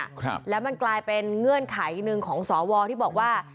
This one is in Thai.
ครับแล้วมันกลายเป็นเงื่อนไขหนึ่งของสวที่บอกว่า